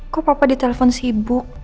kok papa ditelepon sibuk